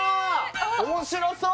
面白そう！